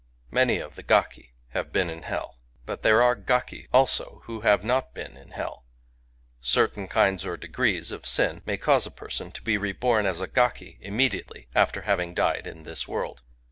Many of the gaki have been in hell. But there are gaki also who have not been in hell. Certain kinds or degrees of sin may cause a person to be reborn as a gaki immediately after having died in this world.